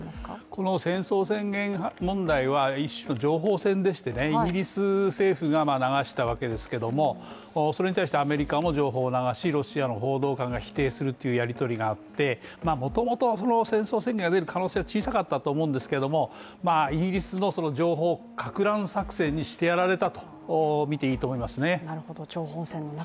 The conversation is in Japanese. この戦争宣言問題は一種の情報戦でしてイギリス政府が流したわけですけどもそれに対してアメリカも情報を流し、ロシアの報道官が否定するというやりとりがあってもともと戦争宣言が出る可能性は小さかったと思うんですけれども、イギリスの情報かく乱作戦にしてやられたなと見ていいと思いますね。